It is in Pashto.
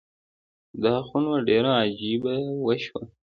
دا خو نو ډيره عجیبه وشوه